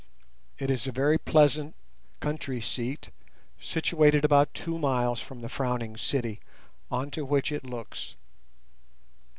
It is a very pleasant country seat, situated about two miles from the Frowning City, on to which it looks.